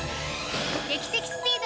劇的スピード！